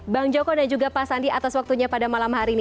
terima kasih pak sandi atas waktunya pada malam hari ini